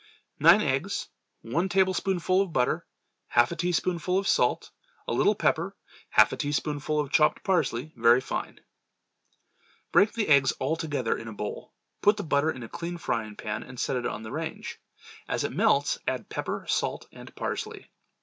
Nine eggs. One tablespoonful of butter. Half a teaspoonful of salt. A little pepper. Half a teaspoonful of chopped parsley very fine. Break the eggs altogether in a bowl. Put the butter in a clean frying pan and set it on the range. As it melts, add pepper, salt and parsley.